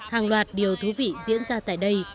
hàng loạt điều thú vị diễn ra tại đây